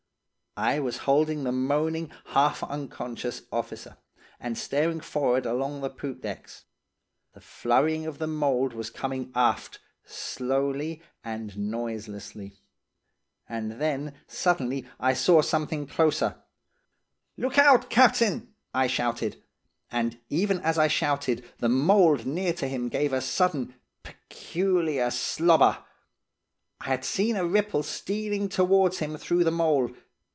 "I was holding the moaning, half unconscious officer, and staring forrard along the poop decks. The flurrying of the mould was coming aft, slowly and noiselessly. And then, suddenly, I saw something closer: "'Look out, captain!' I shouted. And even as I shouted, the mould near to him gave a sudden, peculiar slobber. I had seen a ripple stealing towards him through the mould.